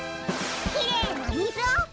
きれいなみずを！